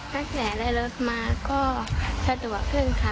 ตั้งแต่ได้รถมาก็สะดวกขึ้นค่ะ